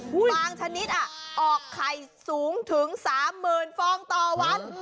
บางชนิดออกไข่สูงถึง๓๐๐๐ฟองต่อวัน